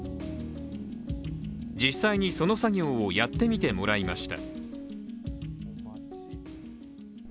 実際にその作業をやってみてもらいました。